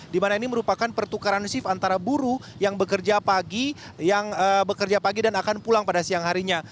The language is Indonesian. di mana ini merupakan pertukaran shift antara buruh yang bekerja pagi dan akan pulang pada siang harinya